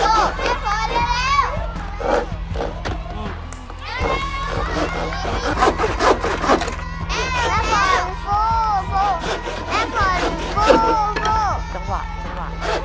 ละครับเร็วครับ